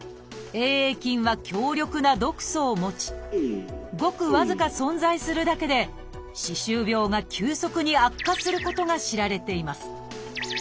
Ａ．ａ．菌は強力な毒素を持ちごく僅か存在するだけで歯周病が急速に悪化することが知られています。